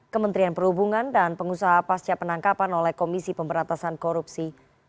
kementerian perhubungan dan pengusaha pasca penangkapan oleh komisi pemberantasan korupsi